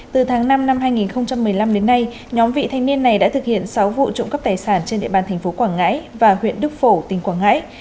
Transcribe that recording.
từ tháng năm năm hai nghìn một mươi năm đến nay nhóm vị thanh niên này đã thực hiện sáu vụ trộm cắp tài sản trên địa bàn thành phố quảng ngãi và huyện đức phổ tỉnh quảng ngãi